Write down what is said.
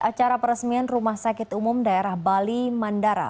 acara peresmian rumah sakit umum daerah bali mandara